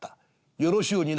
よろしゅうにな」。